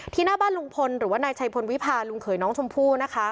หน้าบ้านลุงพลหรือว่านายชัยพลวิพาลุงเขยน้องชมพู่นะคะ